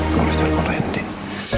kalau misalnya kau rending